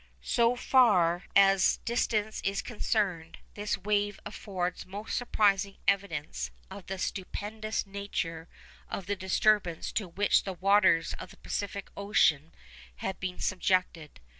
So far as distance is concerned, this wave affords most surprising evidence of the stupendous nature of the disturbance to which the waters of the Pacific Ocean had been subjected.